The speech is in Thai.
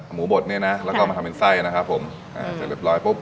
หมูบดเนี่ยนะแล้วก็มาทำเป็นไส้นะครับผมอ่าเสร็จเรียบร้อยปุ๊บ